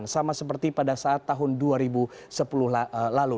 sama seperti pada saat tahun dua ribu sepuluh lalu